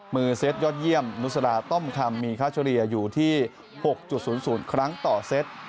เซตยอดเยี่ยมนุษราต้อมคำมีค่าเฉลี่ยอยู่ที่๖๐๐ครั้งต่อเซต